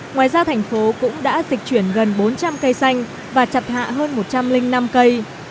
ngoài ra thành phố cũng đã dịch chuyển gần bốn trăm linh cây xanh và chặt hạ hơn một trăm linh năm cây